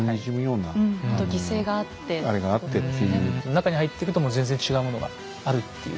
中に入っていくともう全然違うものがあるっていう。